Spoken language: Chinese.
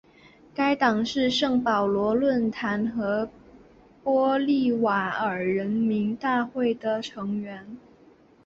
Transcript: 该党是圣保罗论坛和玻利瓦尔人民大会的成员。